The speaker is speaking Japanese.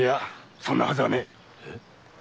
そんなはずはねえ。